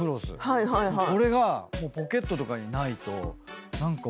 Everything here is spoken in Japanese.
これがポケットとかにないと何かモヤモヤする。